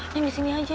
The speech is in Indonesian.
neng di sini aja ya